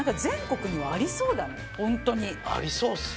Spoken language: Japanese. ありそうっすね。